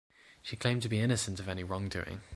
She claimed to be innocent of any wrongdoing.